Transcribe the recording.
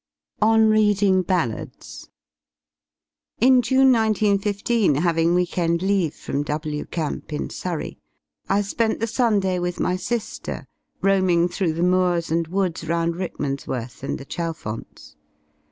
ON READING BALLADS In June 191 5, having week end leave from W Camp, in Surrey, I spent the Sunday with my sifter roaming through the moors and woods round Rickmansworth and the Chalfonts.